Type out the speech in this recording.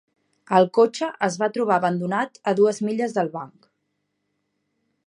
El cotxe es va trobar abandonat a dues milles del banc.